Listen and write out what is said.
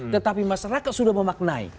tetapi masyarakat sudah memaknai